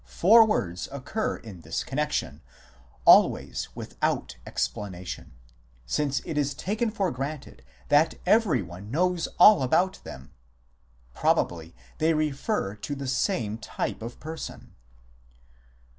Four words occur in this connexion, always without explanation, since it is taken for granted that everyone knows all about them ; probably they refer to the same type of person.